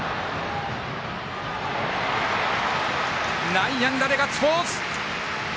内野安打でガッツポーズ！